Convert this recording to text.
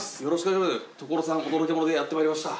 『所さんお届けモノ』でやってまいりました。